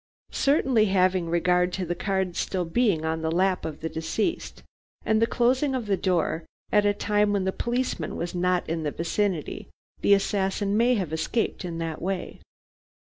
Certainly, having regard to the cards still being on the lap of the deceased, and the closing of the door at a time when the policeman was not in the vicinity, the assassin may have escaped in that way.